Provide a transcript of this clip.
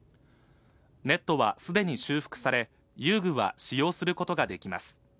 ネットはすでに修復され、遊具は使用することができます。